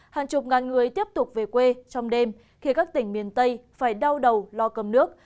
hàng chục ngàn người tiếp tục về quê trong đêm khi các tỉnh miền tây phải đau đầu lo cầm nước